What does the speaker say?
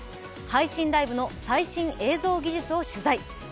配信ライブの最新映像技術を取材。